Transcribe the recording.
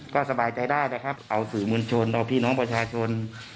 ก็สบายใจได้นะครับเอาสื่อมวลชนเอาพี่น้องประชาชน